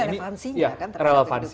ya relevansinya kan terhadap kehidupan mereka